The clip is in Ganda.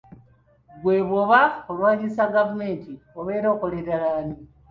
Ggwe bw'oba olwanyisa gavumenti obeera okolerera ani?